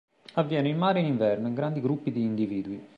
Avviene in mare in inverno, in grandi gruppi di individui.